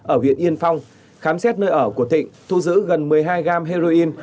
ở huyện yên phong khám xét nơi ở của thịnh thu giữ gần một mươi hai gram heroin